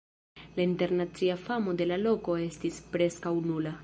La internacia famo de la loko estis preskaŭ nula.